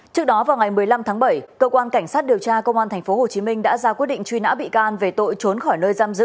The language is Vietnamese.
trước đó vào ngày một mươi năm tháng bảy cơ quan cảnh sát điều tra công an tp hcm đã ra quyết định truy nã bị can về tội trốn khỏi nơi giam giữ